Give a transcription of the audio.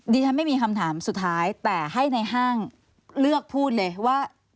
ฉันไม่มีคำถามสุดท้ายแต่ให้ในห้างเลือกพูดเลยว่า